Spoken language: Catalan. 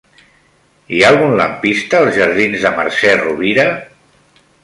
Hi ha algun lampista als jardins de Mercè Rovira?